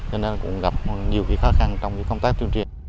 cho nên cũng gặp nhiều khó khăn trong công tác tuyên truyền